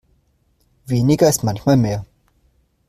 Weniger ist manchmal mehr.